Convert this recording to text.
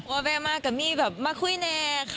โบเว่มาก็มีมาคุยแน